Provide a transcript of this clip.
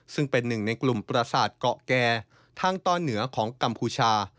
ซึ่งเป็นหนึ่งในกลุ่มประสาทเกาะแก่ทางตอนเหนือของกัมพูชา